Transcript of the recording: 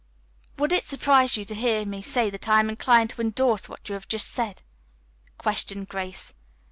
"Would it surprise you to hear me say that I am inclined to endorse what you have just said?" questioned Grace.